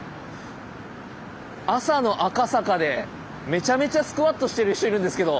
朝の赤坂でめちゃめちゃスクワットしてる人いるんですけど。